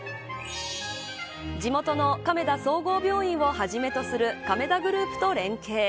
地元の亀田総合病院をはじめとする亀田グループと連携。